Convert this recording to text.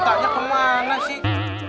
matanya kemana sih